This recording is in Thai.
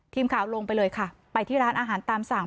ทีมข่าวลงไปเลยค่ะไปที่ร้านอาหารตามสั่ง